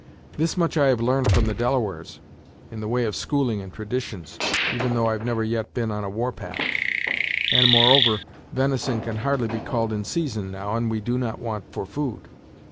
"This much I have l'arned from the Delawares, in the way of schooling and traditions, even though I've never yet been on a war path. And, moreover, venison can hardly be called in season now, and we do not want for food.